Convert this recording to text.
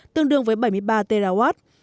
tương đương với bảy mươi ba twh